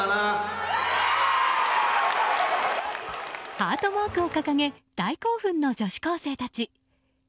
ハートマークを掲げ大興奮の女子高生たち。